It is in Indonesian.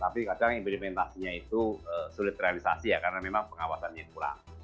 tapi kadang implementasinya itu sulit terrealisasi ya karena memang pengawasannya kurang